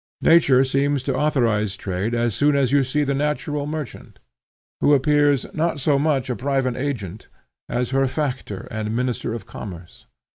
Nature seems to authorize trade, as soon as you see the natural merchant, who appears not so much a private agent as her factor and Minister of Commerce.